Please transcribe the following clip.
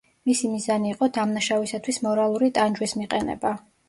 მისი მიზანი იყო დამნაშავისათვის მორალური ტანჯვის მიყენება.